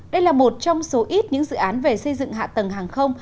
đây là một trong số ít những dự án về xây dựng hạ tầng hàng không